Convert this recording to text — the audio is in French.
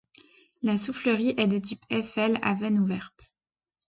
La soufflerie est de type Eiffel à veine ouverte.